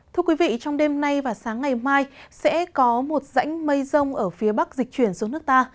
thưa quý vị trong đêm nay và sáng ngày mai sẽ có một rãnh mây rông ở phía bắc dịch chuyển xuống nước ta